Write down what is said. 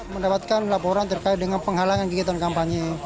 mendapatkan laporan terkait dengan penghalangan kegiatan kampanye